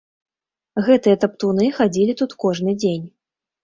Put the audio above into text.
Гэтыя таптуны хадзілі тут кожны дзень.